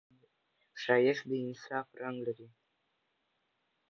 ښایست د انصاف رنګ لري